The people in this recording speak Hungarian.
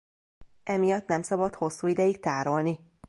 Emiatt nem szabad hosszú ideig tárolni.